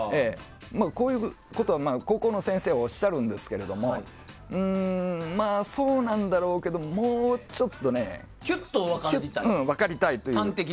こういうことは高校の先生はおっしゃるんですがそうなんだろうけどももうちょっと分かりたいという。